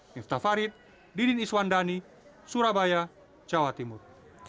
miftah farid didin iswandani surabaya jawa timur